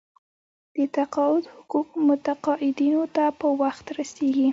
د تقاعد حقوق متقاعدینو ته په وخت رسیږي.